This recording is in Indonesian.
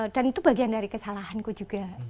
dan itu bagian dari kesalahanku juga